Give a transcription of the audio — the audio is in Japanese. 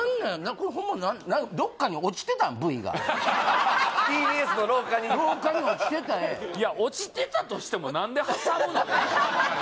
これホンマなんＴＢＳの廊下に廊下に落ちてた画いや落ちてたとしても何で挟むの？